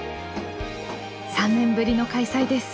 ３年ぶりの開催です。